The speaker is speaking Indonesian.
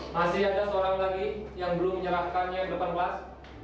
masih ada seorang lagi yang belum menyerahkannya ke depan kelas